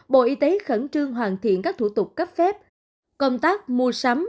bộ y tế khẩn trương hoàn thiện các thủ tục cấp phép công tác mua sắm